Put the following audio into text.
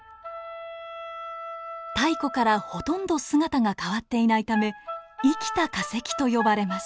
太古からほとんど姿が変わっていないため生きた化石と呼ばれます。